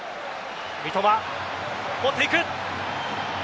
三笘、持っていく。